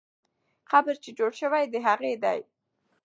قبر چې جوړ سوی، د هغې دی.